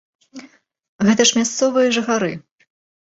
Гэта ж мясцовыя жыхары!